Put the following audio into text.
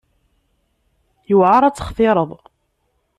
Yewɛer ad textireḍ.